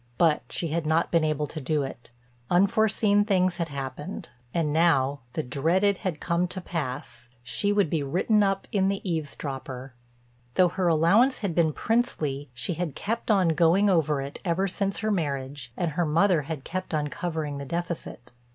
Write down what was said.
But she had not been able to do it—unforeseen things had happened. And now the dreaded had come to pass—she would be written up in The Eavesdropper. Though her allowance had been princely she had kept on going over it ever since her marriage and her mother had kept on covering the deficit.